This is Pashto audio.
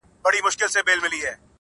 له دغي خاوري مرغان هم ولاړل هجرت کوي.